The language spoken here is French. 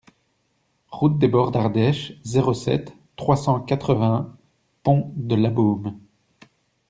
Route des Bords d'Ardèche, zéro sept, trois cent quatre-vingts Pont-de-Labeaume